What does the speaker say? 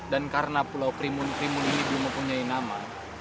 dan karena pulau krimun krimun ini belum mempunyai nama